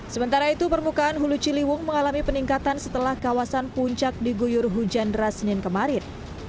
sementara itu permukaan hulu ciliwung mengalami peningkatan setelah kawasan puncak diguyur hujan deras senin kemarin